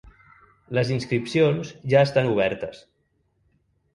Les inscripcions ja estan obertes.